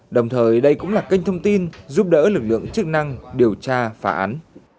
đồng thời đây cũng là kênh thông tin giúp đỡ lực lượng chức năng điều tra phá án